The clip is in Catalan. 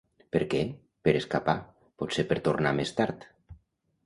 Per què? per escapar, potser per tornar més tard.